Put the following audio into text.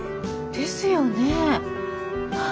ですよね。